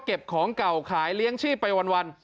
เก็บของเก่าขายเลี้ยงชีพไปวัน